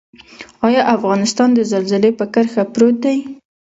آیا افغانستان د زلزلې په کرښه پروت دی؟